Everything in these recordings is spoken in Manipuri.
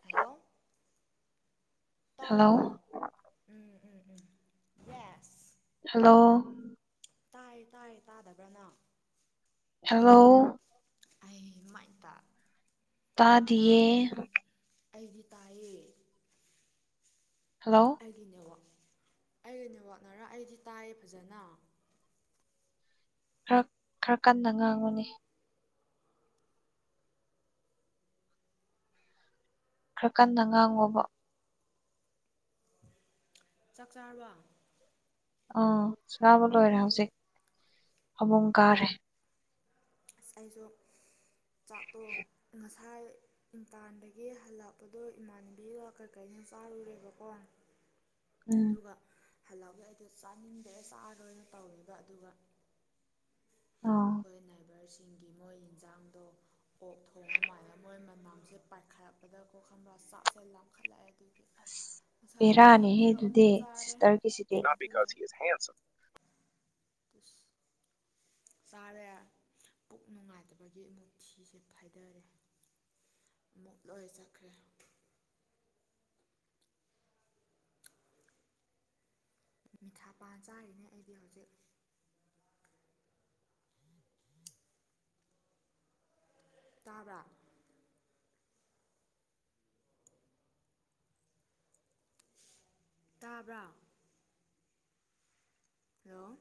ꯍꯜꯂꯣ ꯍꯜꯂꯣ ꯇꯥꯕ꯭ꯔꯣ ꯎꯝ ꯎꯝ ꯎꯝ ꯌꯦꯁ ꯍꯜꯂꯣ ꯇꯥꯏ ꯇꯥꯏ ꯇꯥꯗꯕ꯭ꯔꯥ ꯅꯪ ꯍꯂꯣ ꯑꯩ ꯃꯥꯏꯇꯥ ꯇꯥꯗꯤꯌꯦ ꯇꯥꯗ ꯑꯩꯗꯤ ꯇꯥꯏꯌꯦ ꯍꯜꯂꯣ ꯑꯩꯒꯤ ꯅꯦꯠꯋꯥꯛ ꯑꯩꯒꯤ ꯅꯦꯋꯥꯛꯅꯔ ꯑꯩꯗꯤ ꯇꯥꯏꯌꯦ ꯐꯖꯅ ꯈꯔ ꯈꯔ ꯀꯟꯅ ꯉꯥꯡꯉꯨꯅ‌ꯦ ꯈꯔ ꯀꯟꯅ ꯉꯥꯡꯉ‌ꯣꯕ ꯆꯥꯛ ꯆꯥꯔꯕ‌ꯣ ꯑ‌ꯣ ꯆꯥꯕ ꯂꯣꯏꯔꯦ ꯍꯧꯖꯤꯛ ꯐꯃꯨꯡ ꯀꯥꯔꯦ ꯑꯁ ꯑꯩꯁꯨ ꯆꯥꯛꯇꯣ ꯉꯁꯥꯏ ꯃꯄꯥꯟꯗꯒꯤ ꯍꯜꯂꯛꯄꯗꯣ ꯏꯃꯥꯟꯕꯤꯒ ꯀꯩꯀꯩꯅꯣ ꯆꯥꯔꯨꯔꯦꯕꯀꯣ ꯎꯝ ꯑꯗꯨꯒ ꯍꯜꯂꯥꯎꯒ ꯑꯩꯗꯣ ꯆꯥꯅꯤꯡꯗ꯭ꯔꯦ ꯆꯥꯔ‌ꯣꯏꯅ ꯇꯧꯋꯦꯕ ꯑꯗꯨꯒ ꯑꯥ ꯈꯣꯏ ꯅꯥꯏꯕꯔꯁꯤꯡꯒꯤ ꯃꯣꯏ ꯏꯟꯖꯥꯡꯗꯣ ꯑꯣꯛ ꯊꯣꯡꯉ ꯃꯥꯜꯂ‌ꯦ ꯃꯣꯏ ꯃꯅꯝꯁꯦ ꯄꯥꯏꯈꯠꯂꯛꯄꯗ ꯀ‌ꯣ ꯈꯪꯕ꯭ꯔꯥ ꯆꯥꯛꯁꯦ ꯂꯥꯝꯈꯠꯂꯛꯑꯦ ꯑꯗꯨ ꯒꯤ ꯑꯁ ꯉꯁꯥꯏ ꯕꯦꯔꯥꯅꯤꯍꯦ ꯑꯌꯨꯛꯀꯤꯗꯣ ꯑꯗꯨꯗꯤ ꯑꯃꯨꯛ ꯆꯥꯔꯦ ꯁꯤꯁꯇꯔꯒꯤꯁꯤꯗꯤ ꯑꯗꯨꯅ‌ꯦ [unintelligible] ꯇꯤꯁ ꯆꯥꯔꯦ ꯄꯨꯛ ꯅꯨꯡꯉꯥꯏꯇꯕꯒꯤ ꯑꯃꯨꯛ ꯊꯤ ꯁꯦ ꯐꯥꯏꯗꯔꯦ ꯑꯃꯨꯛ ꯂꯣꯏ ꯆꯠꯈ꯭ꯔꯦ ꯃꯤꯊꯥ ꯄꯥꯟ ꯆꯥꯔꯤꯅꯦ ꯑꯩꯗꯤ ꯍꯧꯖꯤꯛ ꯇꯥꯕ꯭ꯔꯥ ꯇꯥꯕ꯭ꯔꯥ ꯍꯜꯂꯣ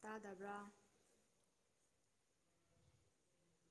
ꯇꯥꯗꯕ꯭ꯔ‌ꯣ